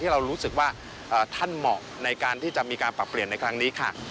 เรารู้สึกว่าท่านเหมาะในการที่จะมีการปรับเปลี่ยนในครั้งนี้ค่ะ